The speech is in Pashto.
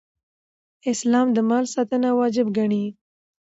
اسلام د مال ساتنه واجب ګڼي